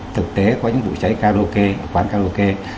thực tế có những vụ cháy karaoke quán karaoke